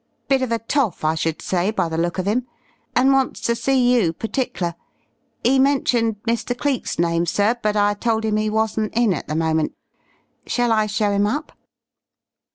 Bit of a toff I should say by the look of 'im. And wants to see you partikler. He mentioned Mr. Cleek's name, sir, but I told 'im he wasn't in at the moment. Shall I show him up?"